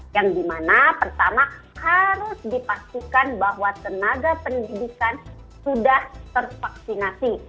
yang dimana pertama harus dipastikan bahwa tenaga pendidikan sudah tervaksinasi